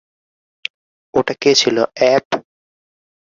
ওটা কে ছিল, অ্যাব?